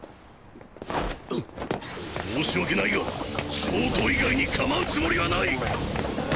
申し訳ないが焦凍以外にかまうつもりはない。